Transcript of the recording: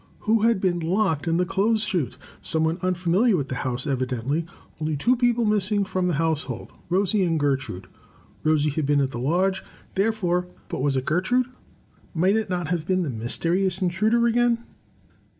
Who had been locked in the clothes chute? Someone unfamiliar with the house, evidently. Only two people missing from the household, Rosie and Gertrude. Rosie had been at the lodge. Therefore — but was it Gertrude? Might it not have been the mysterious intruder again?